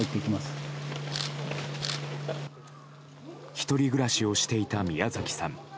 １人暮らしをしていた宮崎さん。